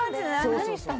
何したの？